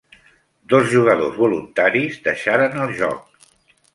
Dos jugadors voluntaris deixaren el joc.